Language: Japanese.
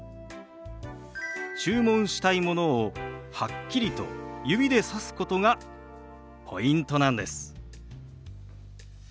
注文したいものをはっきりと指でさすことがポイントなんです。